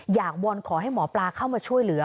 วอนขอให้หมอปลาเข้ามาช่วยเหลือ